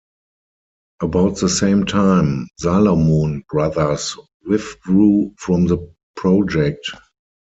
About the same time, Salomon Brothers withdrew from the project.